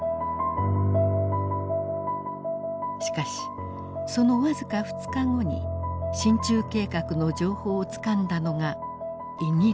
しかしその僅か２日後に進駐計画の情報をつかんだのがイギリスでした。